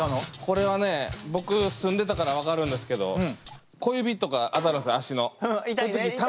これはね僕住んでたから分かるんですけど小指とか当たるんすよ